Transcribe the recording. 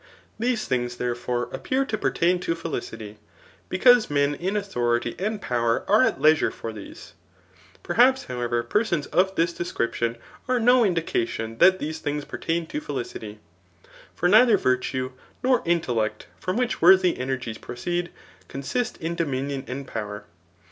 These things, therefore^ appear to pertain to felicity, because men in authority and' power are at leisure for these. Perhaps^ however^ pers6ns of this description are no indication [that these tfaklgit pertain to felicity.]. For neither virtue, nor int^ lect^ from which worthy energies proceed, consist in dominion and powa*.